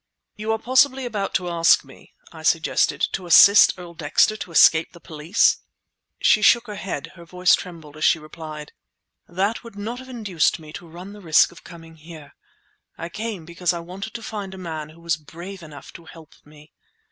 "You are possibly about to ask me," I suggested, "to assist Earl Dexter to escape the police?" She shook her head. Her voice trembled as she replied— "That would not have induced me to run the risk of coming here. I came because I wanted to find a man who was brave enough to help me.